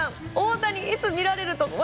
大谷、いつ見られる？と